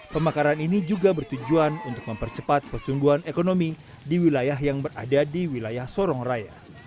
pemekaran ini juga bertujuan untuk mempercepat pertumbuhan ekonomi di wilayah yang berada di wilayah sorong raya